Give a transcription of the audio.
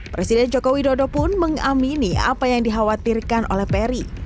presiden joko widodo pun mengamini apa yang dikhawatirkan oleh peri